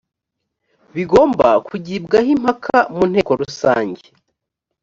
bigomba kugibwaho impaka mu nteko rusange